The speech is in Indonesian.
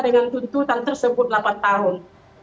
dengan tuntutan tersebut delapan tahun